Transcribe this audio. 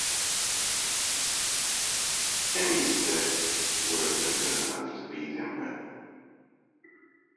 Any stick would have been good enough to beat him with.